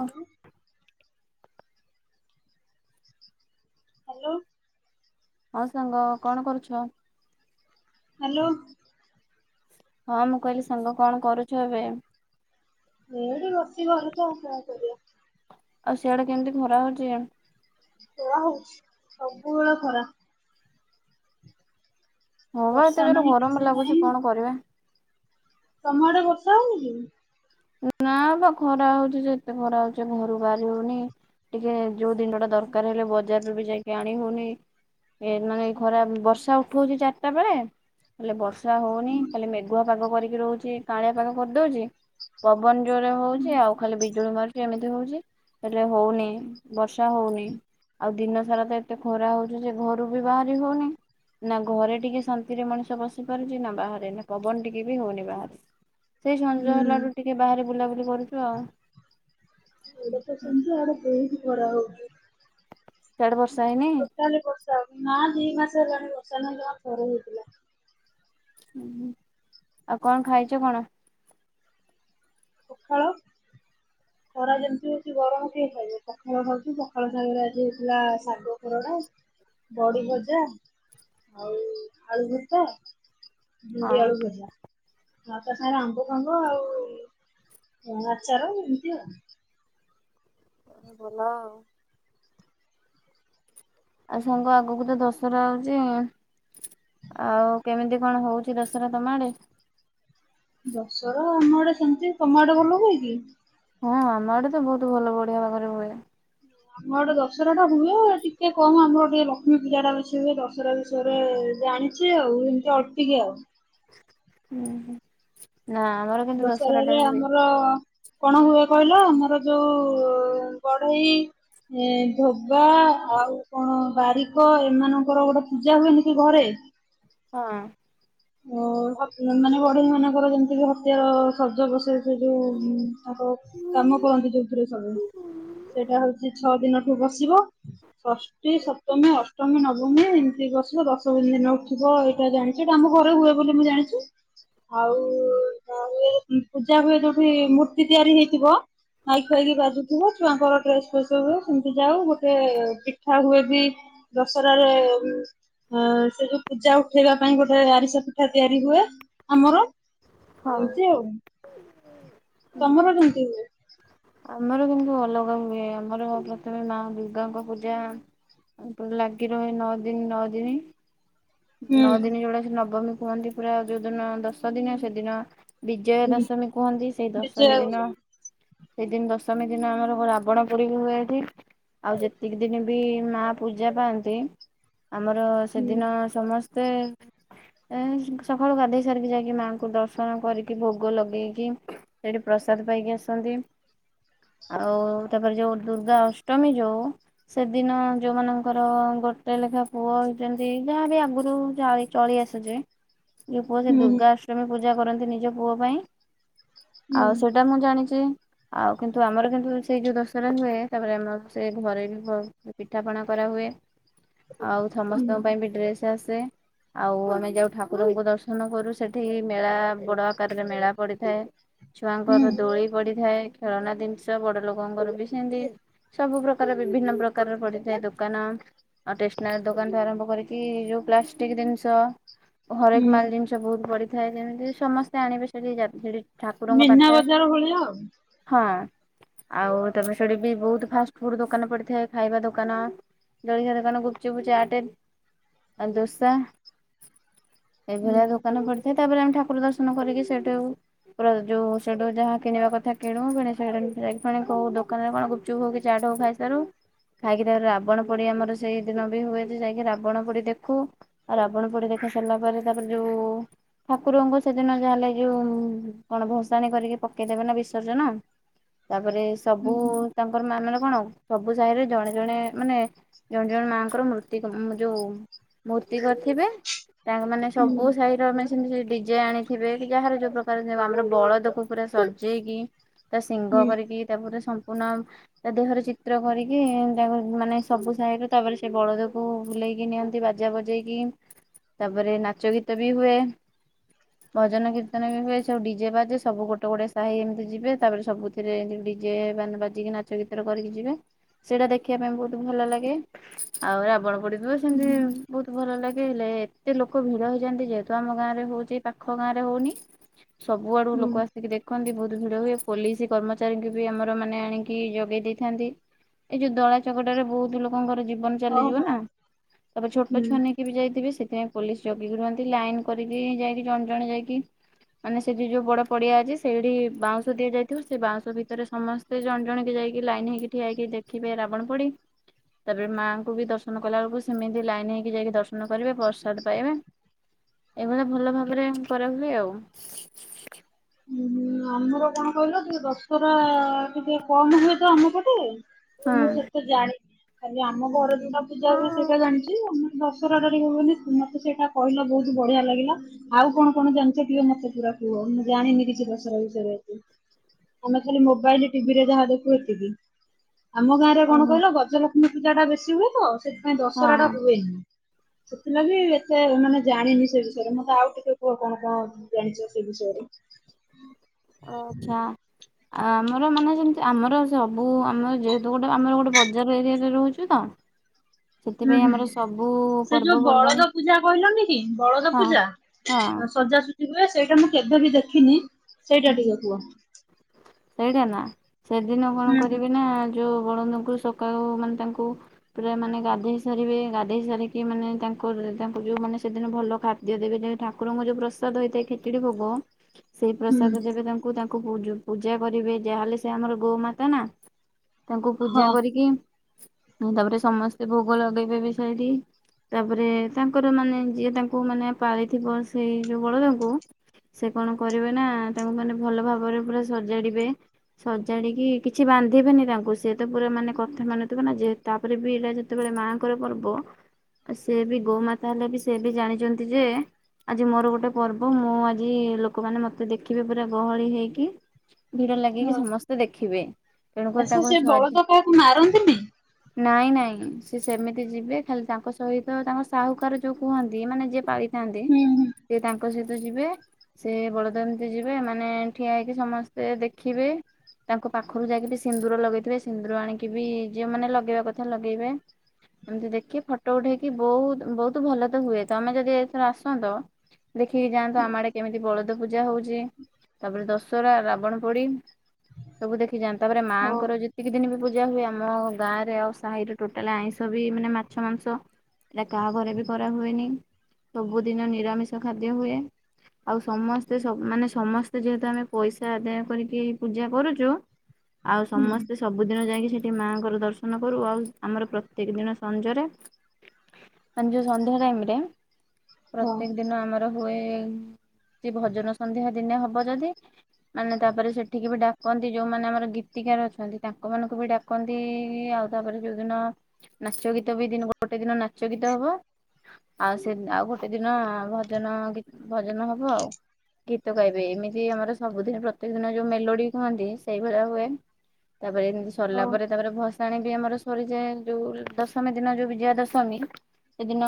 ହଁ ହାଲୋ। ହଁ ସାଙ୍ଗ କଣ କରୁଛ। ହାଲୋ। ହଁ ମୁଁ କହିଲି ସାଙ୍ଗ କଣ କରୁଛ ଏବେ? ଏଇଠି ବସିଚି ଘରେ କଣ କରିବା। ଆଉ ସିଆଡେ କେମିତି ଖରା ହୋଉଚି? ଖରା ହୋଉଚି ସବୁବେଳେ ଖରା। ହଁ ବା ଏତେ ବର୍ଷା ଯୋରେ ନାହିଁ ଗରମ କିଛି ଲାଗୁଚି ନାହିଁ କଣ କରିବା? ତମ ଆଡେ ବର୍ଷା ହୋଉନି କି? ନାବା ଖରା ହୋଉଚି ଯେ ଏତେ ଖରା ହୋଉଚି ଘରୁ ବାହାରି ହଉନି ଟିକେ ଯୋଉ ଦିନଟା ଦରକାର ହେଲେ ବଜାରରୁ ବି ଯାଇକି ଆଣି ହୋଉନି ଏ ମାନେ ଖରା ବର୍ଷା ଉଠଉଚି ଚାରିଟା ବେଳେ ହେଲେ ବ ର୍ଷା ହଉନି ଖାଲି ମେଘୁଆ ପାଗ କରିକି ରହୁଚି। ଟିକେ କାଉଁଳିଆ ପାଗ କରିଦୋଉଚି। ବା [unintelligible] ପବନ ଜୋରେ ହୋଉଚି ଆଉ ଖାଲି ବିଜୁଳି ମାରୁଚି ଏମିତି ହୋଉଚି ହେଲେ ହୋଉନି ବର୍ଷା ହୋଉନି ଆଉ ଦିନ ସାରା ତ ଏତେ ଖରା ହୋଉଚି ଯେ ଘରୁ ବି ବାହାରି ହୋଉନି ନା ଘରେ ଟିକେ ଶାନ୍ତିରେ ମଣିଷ ବସି ପାରୁଚି ନା ବାହାରେ ନା ପବନ ଟିକେ ବି ହୋଉନି ବାହରେ ସେ ସଞ୍ଜ ହୁଁ ହେଲାବେ ଟିକେ ବାହାରେ ବୁଲାବୁଲି କରୁଚୁ ଆଉ ବୋହୁତ ଖରା ହୋଉଚି। ସିଆଡେ ବ ଟୋଟାଲି ବର୍ଷା ହୋଉନି ନା ଦି ମାସ ହେଲାଣି ବ [unintelligible] ହୁଁ ଆଉ କଣ ଖାଇଚ କଣ? ପଖାଳ ଖରା ଯେମିତି ହୋଉଚି ଗରମ କିଏ ଖାଇବ ପଖାଳ ଖାଉଚି ପଖାଳ ଖାଇବାରେ ଆଜି ହେଉଥିଲା ଶାଗ ଖରଡ଼ା ବଡି ଭଜା ଆଉ ଆଳୁ ଭର୍ତା ଭେଣ୍ଡି ହଁ ଆଳୁ ଭଜା। ଆଉ ତା ସାଙ୍ଗରେ ଆମ୍ବ ଫାମ୍ବ ଆଉ ଆଚାର ଏମତି ଆଉ ଭଲ ଆଉ ଆଉ ସାଙ୍ଗ ଆଗକୁ ତ ଦଶହରା ଆଉଚି ଆଉ କେମିତି କଣ ହୋଉଚି ଦଶହରା ତମ ଆଡେ? ଦଶହରା ଆମ ଆଡେ ସେମିତି ତମ ଆଡେ ଭଲ ହୁଏ କି? ହଁ ଆମ ଆଡେ ତ ବହୁତ ଭଲ ବଢିଆ ବାଗ ରେ ହୁଏ। ଆମ ଆଡେ ଦଶହରା ଟା ହୁଏ ଟିକେ କମ ଆମର ଟିକେ ଲକ୍ଷ୍ମୀ ପୂଜା ଟା ବେଶୀ ହୁଏ, ଦଶହରା ବିଷୟରେ ଜାଣିଚି ଆଉ ଏମତି ଅଳ୍ପକିଆଉ। ହୁଁ ହୁଁ। ଦଶହରାରେ ଆମର କଣ ହୁଏ। କହିଲେ ଆମର ଯୋଉ ବଢେଇ ଧୋବା ଆଉ କଣ ବାରିକ ଏମାନଙ୍କର ଗୋଟେ ପୂଜା ହୁଏନି କି ଘରେ। ଓ ମାନେ ବଢେଇ ମାନଙ୍କର ଯେମିତିକି ହତିଆର ସଜ ବସେଇବେ ସେ ଯୋଉ ତାଙ୍କର କାମ କରନ୍ତି ଯୋଉଥିରେ ସବୁ ସେଇଟା ହୋଉଚି ଛଅ ଦିନଠୁ ବସିବ ଷଷ୍ଠୀ ସପ୍ତମୀ ଅଷ୍ଟମୀ ନବମୀ ଏମିତି ବସିବ ଦଶମୀ ଦିନ ଉଠିବ ଏଇଟା ଜାଣିଚ ଏଟା ଆ ଘରେ ହୁଏ ବୋଲି ମୁଁ ଜାଣିଚି ଆଉ ତ ହୁଏ ପୂଜା ହୁଏ ଯୋଉଠି ମୂର୍ତ୍ତି ତିଆରି ହେଇଥିବ ମାଇକ ଫାଇକ ବାଜୁଥିବ ଛୁଆଙ୍କର ଡ୍ରେସ ଫେସ ହୁଏ ସେମିତି ଯାଉ ଗୋଟେ ପିଠା ହୁଏ ବି ଦଶହରାରେ ସେ ଯୋଉ ପୂଜା ଉଠେଇବା ପାଇଁ ଗୋଟେ ଆରିସା ପିଠା ତିଆରି ହୁଏ ଆମର। ହଁ। ଏମିତି ଆଉ। ତମର କେମତି ହୁଏ? ଆମର କିନ୍ତୁ ଅଲଗା ହୁଏ ଆମର ପ୍ରଥମେ ମା ଦୁର୍ଗାଙ୍କ ପୂଜା ଲାଗି ରହେ ନଅ ଦିନି ନଅ ଦିନି। ନଅ ଦିନି ହୁଁ ଯୋଉଟା ସେ ନବମୀ କୁହନ୍ତି ପୁରା ଯୋଉଦିନ ଦଶ ଦିନ ସେ ଦିନ ବିଜୟା ଦଶମୀ କୁହନ୍ତି ସେଇ ଦଶମୀ ଦିନ ସେଇଦିନ ଦଶମୀ ଦିନ ଆମର ରାବଣ ପୋଡି ହୁଏ ଏଠି ଆଉ ଯେତିକି ଦିନ ବି ମା ପୂଜା ପାଆନ୍ତି ଆମର ହୁଁ। ସେଦିନ ସମସ୍ତ ସକାଳୁ ଗଧେଇ ସାରିକି ଯାଇକି ମା କୁ ଦର୍ଶନ କରିକି ଭୋଗ ଲଗେଇକି ସେଠି ପ୍ରସାଦ ପାଇକି ଆସନ୍ତି ଆଉ ତାପରେ ଯୋଉ ଦୁର୍ଗା ଅଷ୍ଟମୀ ଯୋଉ ସେଦିନ ଯୋଉମାନଙ୍କର ଗୋଟେ ଲେଖା ପୁଅ ହେଇଛନ୍ତି ଯାହାବି ଆଗରୁ ଯାହାବି ଚଳି ଆସୁଛି। ରୂପ ସେ ହୁଁ ଦୁର୍ଗା ପୂଜା କରନ୍ତି ନିଜ ପୁଅ ପାଇଁ। ହୁଁ ଆଉ ସେଇଟା ମୁଁ ଜାଣିଚି। ଆଉ କିନ୍ତୁ ଆମର କିନ୍ତୁ ସେଇ ଯୋଉ ଦଶହରା ହୁଏ। ତାପରେ ଆମର ସେ ଘରେ ବି ପିଠାପଣା କରାହୁଏ। ଆଉ ହୁଁ ସମସ୍ତଙ୍କ ପାଇଁ ବି ଡ୍ରେସ ଆସେ। ଆଉ ଆମେ ଯାଉ ଠାକୁରଙ୍କୁ ଦର୍ଶନ କରୁ ସେଠା ଏ ମେଳା ବଡ ଆକାରରେ ମେଳା ପଡିଥାଏ। ହୁଁ ଛୁଆଙ୍କର ଦୋଳି ପଡିଥାଏ। ଖେଳଣା ଜିନିଷ ବଡ ଲୋକଙ୍କର ବି ସେମିତି ସବୁ ପ୍ରକାର ବିଭିନ୍ନ ପ୍ରକାରର ପଡିଥାଏ ଦୋକାନ। ଆଉ ଟେକ୍ସନାରି ଦୋକାନଠୁ ଆରମ୍ଭ କରି କି ଯୋଉ ପ୍ଲାଷ୍ଟିକ ଜିନିଷ ହୁଁ। ହରେକମାଲ ଜିନିଷ ବହୁତ ପଡ଼ି ଥାଏ ଯେମିତି ସମସ୍ତେ ଆଣିବେ ସେଠି ଯା ସେଠି ଠାକୁରଙ୍କ ମୀନା ପାଖେ ବଜାର ଭଳିଆ ଆଉ। ହଁ ଆଉ ତାପରେ ସେଠି ବି ବହୁତ ଫାଷ୍ଟ ଫୁଡ ଦୋକାନ ପଡିଥାଏ ଖାଇବା ଦୋକାନ ଜଳଖିଆ ଦୋକାନ ଗୁପଚୁପ ଚାଟେ ଆ ଦୋସା ହୁଁ ଏଭଳିଆ ଦୋକାନ ପଡି ତାପରେ ଆମେ ଠାକୁର ଦର୍ଶନ କରିକି ସେଇଠୁ ପୁରା ଯଉ ସେଠୁ ଯାହା କିଣିବା କଥା କିଣୁ କିଣି ସାରିକି ଯାଇକି ପୁଣି କୋଉ ଦୋକାନରେ କଣ ଗୁପଚପ ହଉ କି ଚାଟ ହଉ ଖାଇସାରୁ ଖାଇକି ତାପରେ ରାବଣ ପୋଡି ଆମର ସେଇ ଦିନ ବି ହୁଏ ଯେ ଯାଇକି ରାବଣ ପୋଡି ଦେଖୁ ଆଉ ରାବଣ ପୋଡି ଦେଖି ସାରିଲା ପରେ ତାପରେ ଯୋଉ ଠାକୁରଙ୍କୁ ସେଦିନ ଯାହା ହେଲେ ଯୋଉ କଣ ଭସାଣି କରିକି ପକେଇଦେବେ ନା ବିସର୍ଜନ। ତାପରେ ହୁଁ ସବୁ ତାଙ୍କର ମାନ ମାନେ କଣ? ସବୁ ସାହିରେ ଜଣେ ଜଣେ ମାନେ ଜଣେ ଜଣେ ମାଙ୍କର ମୃତ୍ତି ମୁଁ ଯୋଉ ମୃତ କରିଥିବେ ତାଙ୍କ ମାନେ ହୁଁ ସବୁ ସାହିର ଆମେ ସେମିତି ସେ ଡିଜେ ଆଣିଥିବେ କି ଯାହାର ଯୋଉ ପ୍ରକାର ଆମର ବଳଦକୁ ପୁରା ସଜେଇକି ତା ଶିଂଙ୍ଗ ହୁଁ କରିକି ତାପରେ ପୁନ ତା ଦେହରେ ଚିତ୍ର କରିକି ତାକୁ ମାନେ ସବୁ ସାହିରେ ତାପରେ ସେ ବଳଦକୁ ବୁଲେଇକି ନିଅନ୍ତି ବାଜା ବଜେଇକି ତାପରେ ନାଚ ଗୀତ ବି ହୁଏ। ଭଜନ କୀର୍ତ୍ତନ ବି ହୁଏ ସବୁ ଡିଜେ ବାଜେ ସବୁ ଗୋଟେ ଗୋଟେ ସାହି ଏମିତି ଯିବେ ତାପରେ ସବୁଥିରେ ଡିଜେ ମାନେ ବାଜିକି ନାଚ ଗୀତରେ କରିକି ଯିବେ ସେଇଟା ଦେଖିବା ପାଇଁ ବହୁତ ଭଲ ଲାଗେ ଆଉ ରାବଣ ପୋଡି ହୁଁ ସେମତି ହୁଁ। ବହୁତ ଭଲ ଲା ହେଲେ ଏତେ ଲୋକ ଭିଡ ହେଇଯାଆନ୍ତି ଯେ ତ ଆମ ଗାଁ ରେ ହଉଛି ପାଖ ଗାଁ ରେ ହଉନି। ସବୁ ଆଡୁ ହୁଁ ଲୋକ ଆସିକି ଦେଖନ୍ତି ବହୁତ ଭିଡ ହୁଏ ପୋଲିସ କର୍ମଚା ଚାହିଁକି ବି ଆମର ମାନେ ଆଣିକି ଯୋଗେଇ ଦେଇଥାନ୍ତି ଏଇ ଯୋଉ ଦଳା ଚକଟାରେ ବହୁତ ଲୋକଙ୍କର ଜୀଵ ବନ ହଉ ଚାଲିଯିବ ନା, ହଉ ତାପରେ ଛୋଟ ହୁଁ ଛୁଆ ନେଇକି ବି ଯାଇଥିବେ ସେ ସେଥିପାଇଁ ପୋଲିସ ଜଗିକି ରୁହନ୍ତି ଲାଇନ୍ କ [unintelligible] ଯାଇକି ଜଣ ଜଣେ ଯାଇକି ମାନେ ସେଠି ଯୋଉ ବଡ ପଡିଆ ଅଛି ସେଇଠି ବାଉଁଶ ଦିଆ ଯାଇଥିବ, ସେ ବାଉଁଶ ଭିତରେ ସମସ୍ତେ ଜଣ ଜଣକେ ଯାଇକି ଲାଇନ୍ ହେଇକି ଠିଆ ହେଇକି ଦେଖିବେ ରାବଣ ପୋଡି ।ତାପରେ ମାଆଙ୍କୁ ବି ଦର୍ଶନ କଲା ବେଳକୁ ସେମିତି ଲାଇନ୍ ହେଇକି ଯାଇକି ଦର୍ଶନ କରିବେ ପ୍ରସାଦ ପାଇବେ। ଏଇଭଳିଆ ଭଲ ଭାବରେ କରା ହୁଏ ଆଉ। ହୁଁ ଆମର କଣ କହିଲ ଟିକେ ଦଶହରା ଟିକେ କମ୍ ହୁଏ ତ ଆମ ପଟେ ମୁଁ ସେତେ ଜାଣିନି। ଖାଲି ଆମ ଘର ଦୁର୍ଗା ପୂଜା ହୁଏ ହଁ। ସେଟା ଜାଣିଚି ଆମ ଦଶରାଟା ଟିକେ ହୁଏନି, ମୋତେ ସେଇଟା କହିଲ ବହୁତ ବଢିଆ ଲାଗିଲା ଆଉ କଣ କଣ ଜାଣିଚ ଟିକେ ମୋତେ ପୁରା କୁହ? ମୁଁ ଜାଣିନି କିଛି ଦଶରା ବିଷୟରେ, ଆମେ ଖାଲି ମୋବାଇଲ୍ ଟିଭିରେ ଯାହା ଦେଖୁ ଏତିକି। ଆମ ଗାଁରେ କଣ ଓହୋ। କହିଲ ଗଜ ଲ କ୍ଷ୍ମୀ ପୂଜା ତା ବେଶି ହୁଏ ତ ସେ ନାଇଁ ଦଶରାଟା ହଁ ହୁଏନି। ସେଥିଲାଗି ଏତେ ମାନେ ଜାଣିନି ସେ ବିଷୟରେ ମୋତେ ଆଉ ଟିକେ କୁହ କଣ କଣ ଜାଣିଚ ସେ ବିଷୟରେ? ହଁ। ଅ ଚ୍ଛା ଆ ଆମର ମାନେ ସେମତି ଆମର ସବୁ ଆମର ଯେହେତୁ ଗୋଟେ ଆମର ଗୋଟେ ବଜାର ଏରିଆରେ ରହୁଚୁ ତ ହୁଁ ସେଥିପାଇଁ ହୁଁ ଆମର ସବୁ ସେ ଯୋଉ ପର୍ବପର୍ବାଣୀ ବଳଦ ପୂଜା କହିଲନି କି ବଳଦ ହଁ ପୂଜା ଅ, ହଁ। ସଜା ସ ଜି ହୁଏ ସେଇଟା ମୁଁ କେବେବି ଦେଖିନି। ସେଇଟା ଟିକେ କୁହ। ସେଇଠା ନା ସେଦିନ କଣ ହୁଁ ହୁଁ। କରିବି ନା ଯୋଉ ବଳନ୍ଦଙ୍କୁ ସକାଳୁ ମାନେ ତାଙ୍କୁ ପୁରା ମାନେ ଗାଧେଇ ସାରିବେ, ଗାଧେଇ ସାରିକି ମାନେ ତାଙ୍କର ତାଙ୍କୁ ଯୋଉ ମାନେ ସେଦିନ ଭଲ ଖାଦ୍ୟ ଦେବେ, ଦେ-ଠାକୁରଙ୍କ ଯୋଉ ପ୍ରସାଦ ହେଇଥାଏ ଖେଚୁଡି ଭୋଗ ହୁଁ। ପ୍ରସାଦ ଦେବେ ତାଙ୍କୁ ତା କୁ-ପୂଜୁ ପୂଜା କରିବେ ଯାହାହେଲେ ସେ ଆମର ଗୋମାତା ନା। ତାଙ୍କୁ ହଁ ପୂଜା କରିକି ଉଁ, ତାପରେ ସମସ୍ତେ ଭୋଗ ଲଗେଇବେ ବି ସେଇଠି, ତାପରେ ତାଙ୍କର ମାନେ ଯିଏ ତାଙ୍କୁ ମାନେ ପାଳିଥିବ ସେଇ ଯୋଉ ବଳଦ ଙ୍କୁ ସେ କଣ କରିବେ ନା ତାଙ୍କୁ ମାନେ ଭଲ ଭାବରେ ପୁରା ସଜାଡିବେ ସଜାଡିକି କିଛି ବାନ୍ଧିବେନି ତାଙ୍କୁ ସେ ତ ପୁରା ମାନେ କଥା ମାନୁଥୁବ ନା ଯେ ତାପରେ ବି ଏଇଟା ଯେତେବେଳେ ମାଙ୍କର ପର୍ବ ସେ ବି ଗୋମାତା ହେଲେ ବି ସେ ବି ଜାଣିଚନ୍ତି ଯେ ଆଜି ମୋର ଗୋଟେ ପର୍ବ, ମୁଁ ଆଜି ଲୋକମାନେ ମ ତ ଦେଖିବେ ପୁରା ଗହଳି ହେଇକି। ଭିଡ ଲାଗିକି ହଁ ସମସ୍ତେ ଦେଖିବେ, ତେଣୁ କରି ଆଚ୍ଛା ତାକୁ ସେ ସଜେ ବଳଦ କାହାକୁ ମାରନ୍ତିନି? ନାଇଁ ନାଇଁ ଉଁ ସେ ସେମିତି ଯିବେ ଖାଲି ତାଙ୍କ ସହିତ ତାଙ୍କ ସାହୁକାର ଯୋଉ କୁହନ୍ତି ମାନେ ଯିଏ ପାଳି ଥାନ୍ତି ହୁଁ ହୁଁ। ଏ ତାଙ୍କ ସହିତ ଯିବେ। ସେ ବଳ ଦ -ଏମିତି ଯିବେ ମାନେ ଠିଆ ହେଇକି ସମସ୍ତେ ଦେଖିବେ, ତାଙ୍କ ପାଖରୁ ଯାଇକି ବି ସିନ୍ଦୁର ଲଗେଇଥିବେ ସିନ୍ଦୁର ଆଣିକି ବି ଯିଏ ମାନେ ଲଗେଇବା କଥା ଲଗେଇବେ, ଏମିତି ଦେଖି ଫଟୋ ଉଠେଇକି ବହୁତ ବହୁତ ଭଲ ତ ହୁଏ, ତୋମେ ଯଦି ଏଥର ଆସନ୍ତ ଦେଖିକି ଯାଆନ୍ତୁ ଆମ ଆଡେ କେମିତି ବଳଦ ପୂଜା ହଉଚି, ତାପରେ ଦଶହରା ରାବଣ ପୋଡି ସବୁ ଦେଖି ଯାଆନ ତାପରେ ହଁ ମାଆଙ୍କର ଯେତିକି ଦିନି ବି ପୂଜା ହୁଏ ଆମ ଗାଁରେ ଆଉ ସାହିରେ ଟୋଟାଲ ଆଇଁଷ ବି ମାନେ ମାଛ ମାଂସ ଏଟା କାହା ଘରେ ବି କରାହୁୁଏନି, ସବୁଦିନ ନିରାମିଷ ଖାଦ୍ୟ ହୁଏ ଆଉ ସମସ୍ତ [inaudible] ମାନେ ସମସ୍ତେ ଯେହେତୁ ଆମେ ପଇସା ଆଦାୟ କରିକି ପୂଜା କରୁଛୁ ଆଉ ହୁଁ ସମସ୍ତେ ସବୁଦିନ ଯାଇକି ସେଠି ମାଆଙ୍କର ଦର୍ଶନ କରୁ ଆଉ ଆମର ପ୍ରତ୍ୟେକ ଦିନ ସଞ୍ଜରେ ଯୋଉ ସନ୍ଧ୍ୟା ଟାଇମରେ ହଁ ପ୍ରତ୍ୟେକ ଦିନ ଆମର। ହୁଏ [inaudible] ସେ ଭଜନ ସନ୍ଧ୍ୟା ଦିନେ ହବ ଯଦି ମାନେ ତାପରେ ସେଠିକି ବି ଡାକନ୍ତି ଯୋଉମାନେ ଆମର ଗୀତିକାର ଅଛନ୍ତି ତାଙ୍କ ମାନଙ୍କୁ ବି ଡାକନ୍ତିଇଇ ଆଉ, ତାପରେ ଯୋଉଦିନ ନାଚ ଗୀତ ବି ଦିନ ଗୋଟେ ଦିନ ନାଚ ଗୀତ ହବ, ଆଉ ସେ ଆଉ ଗୋଟେ ଦିନ ଭଜନ ଗୀ ଭଜନ ହବ ଆଉ। ଗୀତ ଗାଇବେ, ଏମିତି ଆମର ସବୁଦିନ ପ୍ରତ୍ୟେକ ଦିନ ଯୋଉ ମେଲୋଡି କୁହନ୍ତି ସେଇଭଳିଆ ହୁଏ। ତାପରେ ଏମିତି ସରିଲା ହଁ ପରେ ତାପରେ ଭସ୍ ଭସାଣି ବି ଆମର ସରିଯାଏ, ଯୋଉ ଦଶମୀ ଦିନ ଯୋଉ ବିଜୟା ଦଶମୀ, ସେଦିନ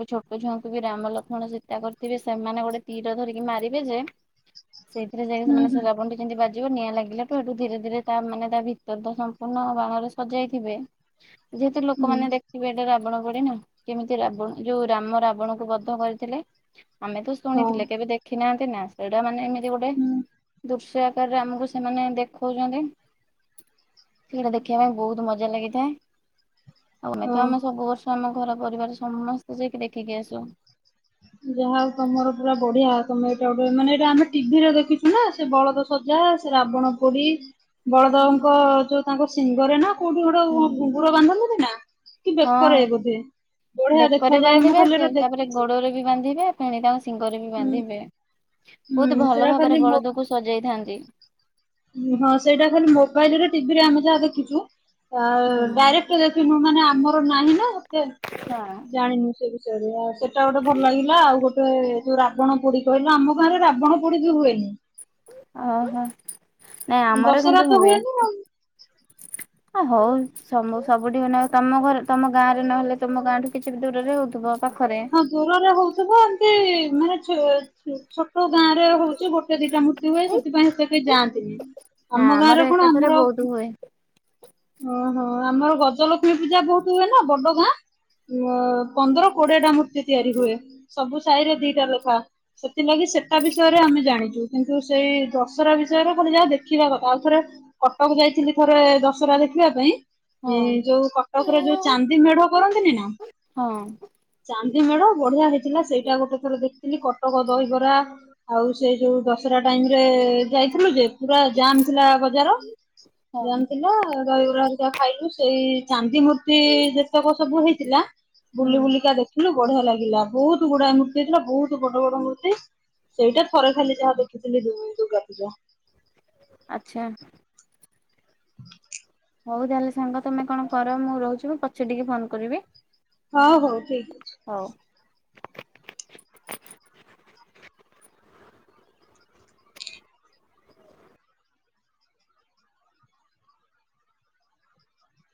ବି ଛୋଟ ଛୁଆଙ୍କୁ ବି ରାମ ଲକ୍ଷ୍ମଣ ସୀତା କରିଥିବେ ସେମାନେ ଗୋଟେ ତୀର ଧରିି ମାରିବେ ଯେ, ସେଇଥିରେ ଯାଇକି ହୁଁ ସେମାନେ ସେ ହୁଁ ରାବଣଠି ଯେମିତି ବାଜିବ ନିଆଁ ଲାଗିଲାଠୁ ହେଠୁ ଧୀରେ ଧୀରେ ତା ମାନେ ତା ଭିତର ତ ସମ୍ପୂର୍ଣ୍ଣ ବାଣରେ ସଜାଇଥିବେ। ଯେହେତୁ ଲୋକମାନେ ହୁଁ ଦେଖିବେ ଏଇଟା ରା ରାବଣ ପୋଡି ନା, କେମିତି ରାବଣ ଯୋଉ ରାମ ରାବଣକୁ ବଦ୍ଧ କରିଥିଲେ। ଆମେ ତ ହଁ ଶୁଣିଥିଲେ କେବେ ଦେଖ୍ [inaudible] ନା ସେଇଟା ମାନେ ଏମିତ୍ [inaudible] ଗୋଟେ ହୁଁ ଦୃଶ୍ [inaudible] ଆକାରରେ ଆମକୁ ସେମାନେ ଦେଖଉଛନ୍ତି, ସେଇଟା ଦେଖିବା ପାଇଁ ବହୁତ ମଜା ଲାଗିଥାଏ। ଆଉ ଆମେ ତ ହଁ। ଆମେ ସବୁ ବର୍ଷ ଆମ ଘର ପରିବାର ସମସ୍ତେ ଯାଇକି ଦେଖିକି ଆସୁ। ଯାହା ହଉ ତମର ପୁରା ବଢିଆ, ତମେ ଏଇଟା ଗୋଟେ ମାନେ ଏଟା ଆମେ ଟିଭିରେ ଦେଖିଛୁ ନା ସେ ବଳଦ ସଜା ସେ ରାବଣ ପୋଡି ବଳଦଙ୍କ ଯୋଉ ତାଙ୍କ ଶିଙ୍ଗରେ ନା କୋଉଠି ଗୋଟେ କଣ ହୁଁ। ଘୁଙ୍ଗୁର ବାନ୍ଧନ୍ତି? ଏ ନା। କି ବେକରେ ହଁ। ବୋଧେ, ବଢିଆ ବେକରେ ଦେଖାଯାଏ ମୁଁ ବାନ୍ଧିବେ ଖାଲି ସେ ଏଟା ତାପରେ ଦେଖିଛି। ଗୋଡରେ ବି ବାନ୍ଧିବେ ଫେଣି ତାକୁ ସେ ଶିଙ୍ଗରେ ବି ହୁଁ ବାନ୍ଧିବେ। ବହୁତ ହୁଁ ଭଲ ସେଟା ଭାବରେ ବଳଦକୁ ସଜେଇଥାନ୍ତି। ହୁଁ, ହଁ ସେଇଟା ଖାଲି ମୋବାଇଲରେ ଟିଭିରେ ଆମେ ଯାହା ଦେଖିଛୁ। ଅଅ ହୁଁ। ଡାଇରେକ୍ଟ ଦେଖିନୁ ମାନେ ଆ ଆମର ନାହିଁ ନା। ହଁ [inaudible] ଜାଣିନୁ ସେ ବିଷୟରେ, ଆଉ ସେଟା ଗୋଟେ ଭଲ ଲାଗିଲା ଆଉ ଗୋ ସେ ଯୋଉ ରାବଣ ପୋଡି କହିଲ, ଆମ ଗାଁଆରେ ରାବଣ ପୋଡି ବି ହୁଏନି। ଓହୋଃ। ଦଶହରା ତ ହୁଏନି ଆଉ। ହ ହଉ, ସମୁ ସବୁଠି [inaudible] ତମ ଘର ତମ ଗାଁଆରେ ନହେଲେ ତମ ଗାଁଆଠୁ କିଛି ବି ଦୂରରେ ହଉଥିବ। ପାଖରେ। ହଁ ଦୂରରେ ହଉଥିବ ଏମତି ମାନେ [unintelligible] ଛୋଟ ଗାଁ ରେ ହଉଛି ଗୋଟେ ଦିଟା ମୂୃତ୍ତି ହୁଏ ସେଥିପାଇଁ ସେ କେହି ଯାଆନ୍ତିନି ନା ଆମ ଆମର ଗାଁରେ କଣ ଏକାଥରେ ଆମର ବହୁତ ହୁଏ ଓହୋ ଆମର ଗଜଲ ଲକ୍ଷ୍ମୀ ପୂଜା ଯୋଉଠି ହୁଏ ନା ବଡ଼ ଗାଁ। ମୋ ପନ୍ଦର କୋଡିଏ ଟା ମୂର୍ତ୍ତି ତିଆରି ହୁଏ। ସବୁ ସାହିରେ ଦିଇଟା ଲେଖା ସେ ସେଥିଲାଗି ସେଟା ବିଷୟରେ ଆମେ ଜାଣିଛୁ। କିନ୍ତୁ ସେଇ ଦଶହରା ବିଷୟରେ ପୁଣି ଯାହା ଦେଖିବା କଥା ଆଉ ଥରେ କଟକ ଯାଇଥିଲି ଥରେ ଦଶ ସରା ଦେଖିବା ପାଇଁ ହଁ ଏ ଯୋଉ କଟକରେ ଯୋଉ ଚାନ୍ଦି ମେଢ କରନ୍ତିନି ନା ହଁ। ଚା ସିଙ୍ଗଡ଼ା ବଢିଆ ହେଇଥିଲା ସେଇଟା ଗୋଟେ ଥର ଦେଖିଥିଲି କଟକ ଦହିବରା ଆଉ ସେ ଯୋଉ ଦଶହରା ଟାଇମ ରେ ଯାଇଥିଲୁ ଯେ ପୁରା ଜାମ ଥିଲା ବଜାର। ହଉଁ। ଜାମ୍ ଥିଲା ଦହିବରା ହେରିକା ଖାଇଲୁ ସେଇ ଚାନ୍ଦି ମୂର୍ତ୍ତି ଯେତକ ସବୁ ହେଇଥିଲା। ବୁଲି ହୁଁ ବୁଲିକା ଦେଖିଲୁ। ବଢିଆ ଲାଗିଲା ବହୁତ ଗୁଡାଏ ମୂର୍ତ୍ତି ହେଇଥିଲା ବହୁତ ବଡ ବଡ ମୂର୍ତ୍ତି ସେଇଟା ଥରେ ଖାଲି ଯାହା ଦେଖିଥିଲି ଦୁୁ ଦୁର୍ଗା ପୂଜା। ଆଛା। [inaudible] ହଉ ତାହେଲେ ସାଙ୍ଗ ତମେ କଣ କର ମୁଁ ରହୁଛି ମୁଁ ପଛେ ଟିକେ ଫୋନ କରିବି। ହଉ ହଉ ଠିକ। ଅଛି। ହଉ।